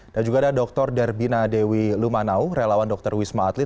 dan juga ada dr derbina dewi lumanau relawan dr wisma atlet